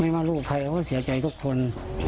ว่าลูกใครเราก็เสียใจทุกคน